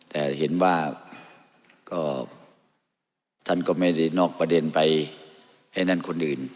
แต่เห็นว่าก็ท่านก็ไม่ได้นอกประเด็นไปให้นั่นคนอื่น